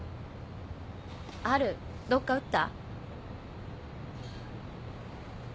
ハルどっか打った？